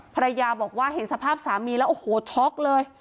ภรรยาบอกว่าเห็นสภาพสามีแล้วโอ้โหช็อกเลย